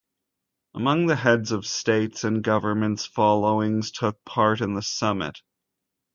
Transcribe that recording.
Among the heads of states and governments followings took part in the Summit.